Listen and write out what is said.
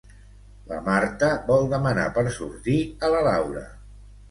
La Marta vol demanar per sortir a la Laura.